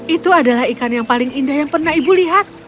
itu adalah ikan yang paling indah yang pernah ibu lihat